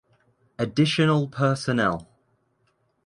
Additional personnel